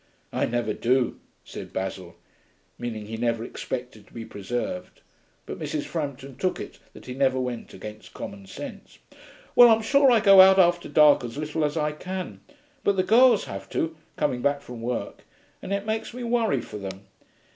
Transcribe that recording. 'I never do,' said Basil, meaning he never expected to be preserved, but Mrs. Frampton took it that he never went against common sense. 'Well, I'm sure I go out after dark as little as I can; but the girls have to, coming back from work, and it makes me worry for them....